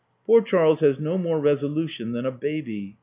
Poor Charles has no more resolution than a baby.